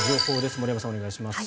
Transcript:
森山さん、お願いします。